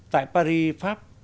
tại paris pháp